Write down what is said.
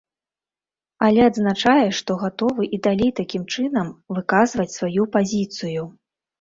Але адзначае, што гатовы і далей такім чынам выказваць сваю пазіцыю.